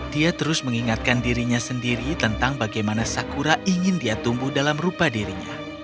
dia terus mengingatkan dirinya sendiri tentang bagaimana sakura ingin dia tumbuh dalam rupa dirinya